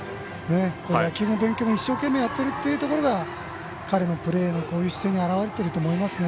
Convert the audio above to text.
野球も勉強も一生懸命やっているところが彼のプレーの姿勢に表れていると思いますね。